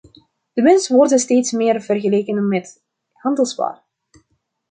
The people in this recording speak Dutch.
De mens wordt steeds meer vergeleken met handelswaar.